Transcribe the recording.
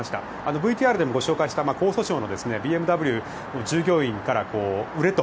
ＶＴＲでもご紹介した江蘇省のＢＭＷの従業員から売れと。